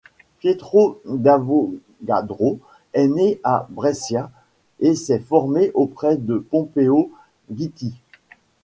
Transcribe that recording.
Pietro d'Avogadro est né à Brescia et s'est formé auprès de Pompeo Ghitti.